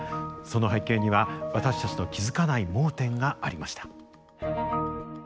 その背景には私たちの気付かない盲点がありました。